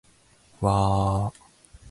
わーーーーーーーー